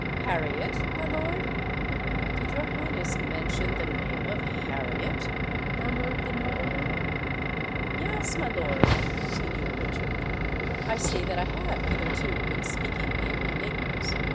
"Harriet, my lord?—did your Highness mention the name of Harriet?" murmured the nobleman. "Yes, my lord," continued Richard: "I see that I have hitherto been speaking in enigmas.